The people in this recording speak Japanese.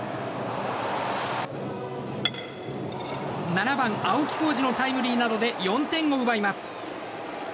７番、青木虎仁のタイムリーなどで４点を奪います。